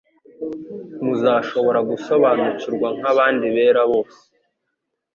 Muzashobora gusobanukirwa nk'abandi bera bose